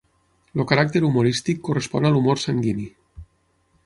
El caràcter humorístic correspon a l'humor sanguini.